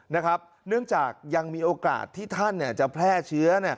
เนื่องจากยังมีโอกาสที่ท่านจะแพร่เชื้อ